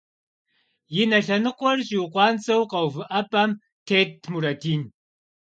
И нэ лъэныкъуэр щӏиукъуанцӏэу къэувыӏэпӏэм тетт Мурадин.